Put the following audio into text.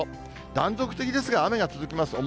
断続的ですが、雨が続きます。